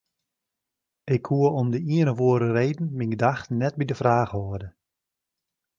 Ik koe om ien of oare reden myn gedachten net by de fraach hâlde.